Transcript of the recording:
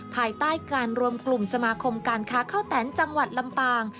ภายใต้การรวมกลุ่มสมาคมการค้าข้าวแตนจังหวัดลำปาง